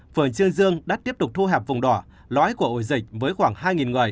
phường trương dương đã tiếp tục thu hẹp vùng đỏ lõi của ổ dịch với khoảng hai người